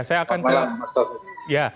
selamat malam mas taufik